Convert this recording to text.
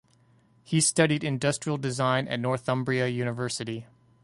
He studied industrial design at Northumbria University.